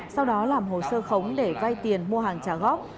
sau đó làm hồ sơ khống để vay tiền mua hàng trả góp